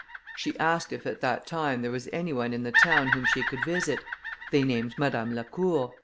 She asked if at that time there was any one in the town whom she could visit; they named Madame Lacour, M.